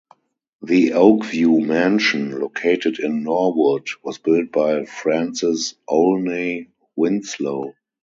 The Oak View Mansion, located in Norwood, was built by Francis Olney Winslow.